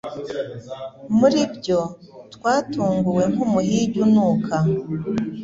muribyo twatunguwe nkumuhigi unuka